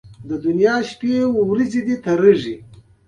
د پروستات د درد لپاره د کدو د تخم تېل وکاروئ